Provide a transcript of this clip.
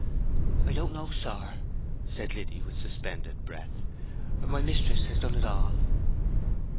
"I don't know, sir," said Liddy, with suspended breath. "My mistress has done it all."